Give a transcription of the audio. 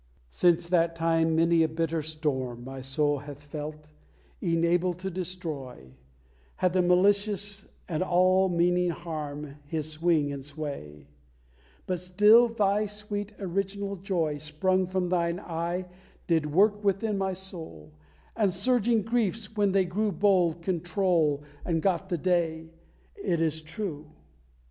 Since that time many a bitter storm My soul hath felt, e'en able to destroy, Had the malicious and ill meaning harm His swing and sway; But still Thy sweet original joy Sprung from Thine eye did work within my soul, And surging griefs when they grew bold control, And got the day. It is true.